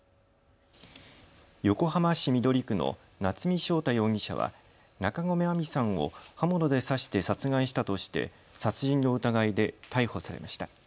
横浜市緑区の夏見翔太容疑者は中込愛美さんを刃物で刺して殺害したとして殺人の疑いで逮捕されました。